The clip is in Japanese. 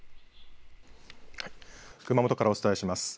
熊本からお伝えします。